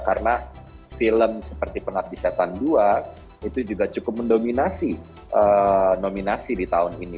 karena film seperti penat di setan dua itu juga cukup mendominasi nominasi di tahun ini